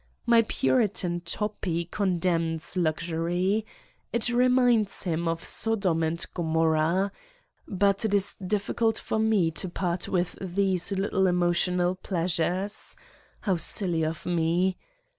My Puritan Toppi condemns luxury. It reminds him of Sodom and Gommorah. But it is difficult for me to part with these little emotional pleasures. How silly of me